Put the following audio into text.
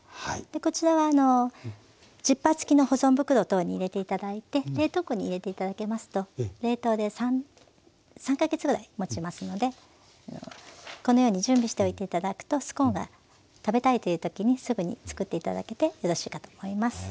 こちらはジッパー付きの保存袋等に入れて頂いて冷凍庫に入れて頂けますと冷凍で３か月ぐらいもちますのでこのように準備しておいて頂くとスコーンが食べたいというときにすぐに作って頂けてよろしいかと思います。